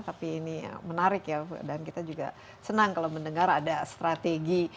tapi ini menarik ya dan kita juga senang kalau mendengar ada strategi